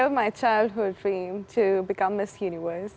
pernahkah ini menjadi mimpi kecil saya menjadi miss universe